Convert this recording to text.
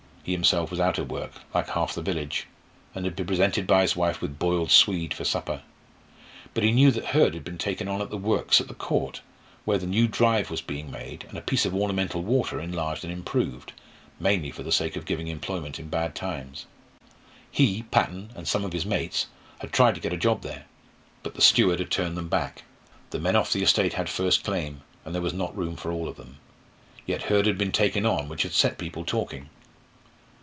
He himself was out of work, like half the village, and had been presented by his wife with boiled swede for supper. But he knew that Hurd had been taken on at the works at the Court, where the new drive was being made, and a piece of ornamental water enlarged and improved mainly for the sake of giving employment in bad times. He, Patton, and some of his mates, had tried to get a job there. But the steward had turned them back. The men off the estate had first claim, and there was not room for all of them. Yet Hurd had been taken on, which had set people talking.